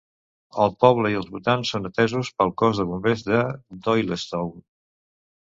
El poble i els voltants són atesos pel cos de bombers de Doylestown.